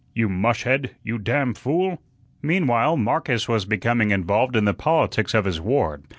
"You mushhead, you damn fool!" Meanwhile, Marcus was becoming involved in the politics of his ward.